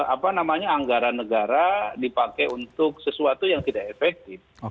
apa namanya anggaran negara dipakai untuk sesuatu yang tidak efektif